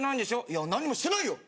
いや何にもしてないよ！